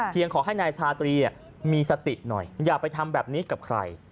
ขอให้นายชาตรีมีสติหน่อยอย่าไปทำแบบนี้กับใคร